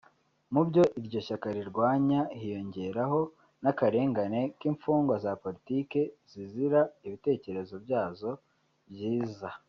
Mu byo iryo shyaka rirwanya hiyongeraho n’akarengane k’imfungwa za politike zizira ibitekerezo byazo byiza